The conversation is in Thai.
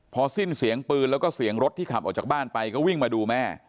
พอสิ้นเสียงปืนแล้วก็เสียงรถที่ขับออกจากบ้านไปก็วิ่งมาดูแม่